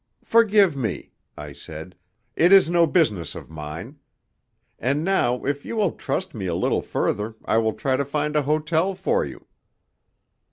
"Forgive me," I said. "It is no business of mine. And now, if you will trust me a little further I will try to find a hotel for you."